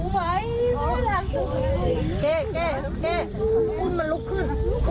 แม่ไม่อยากไปแม่ไม่รักแก